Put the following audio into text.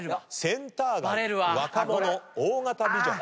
センター街若者大型ビジョン